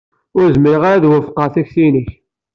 Ur zmireɣ ad wafqeɣ takti-nnek.